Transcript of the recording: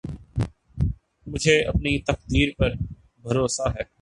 مجھے اپنی تقدیر پر بھروسہ ہے